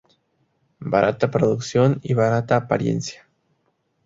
Barata producción y barata apariencia.